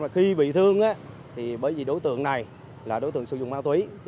khi bị thương thì bởi vì đối tượng này là đối tượng sử dụng ma túy